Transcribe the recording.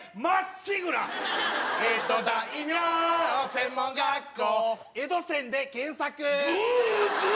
専門学校江戸専で検索ぶ